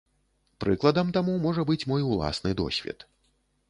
Прыкладам таму можа быць мой уласны досвед.